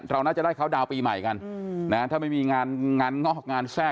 เราน่าจะได้เข้าดาวน์ปีใหม่กันถ้าไม่มีงานงานงอกงานแทร่